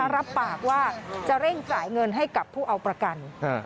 รับปากว่าจะเร่งจ่ายเงินให้กับผู้เอาประกัน